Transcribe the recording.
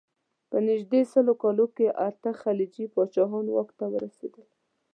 په نژدې سل کالو کې اته خلجي پاچاهان واک ته ورسېدل.